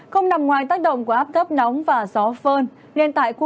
không nằm ngoài tác động của áp thấp nóng và gió phơn